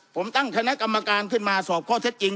ผมตั้งคณะกรรมการขึ้นมาสอบข้อเท็จจริง